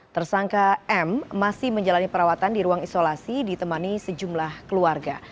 tersangka m masih menjalani perawatan di ruang isolasi ditemani sejumlah keluarga